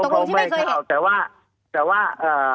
ครับผมไม่เข้าแต่ว่า